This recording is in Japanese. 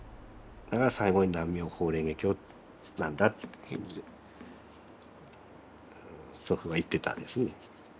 だから最後に「南無妙法蓮華経」なんだって祖父は言ってたんですね。